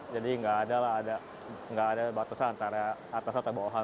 jadi nggak ada batasan antara atasan atau bawahan